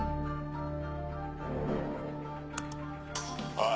おい。